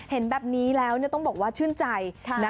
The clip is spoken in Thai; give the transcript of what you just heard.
เห็นแบบนี้แล้วต้องบอกว่าชื่นใจ